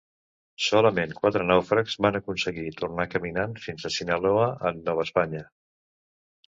Solament quatre nàufrags van aconseguir tornar caminant fins a Sinaloa, en Nova Espanya.